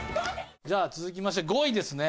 じゃあ続きまして５位ですね。